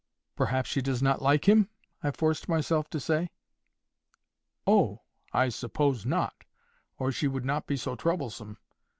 "Perhaps she does not like him?" I forced myself to say. "Oh! I suppose not, or she would not be so troublesome.